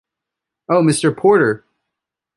Oh, Mr Porter!